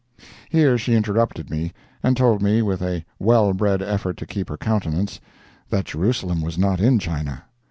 Here she interrupted me, and told me with a well bred effort to keep her countenance, that Jerusalem was not in China.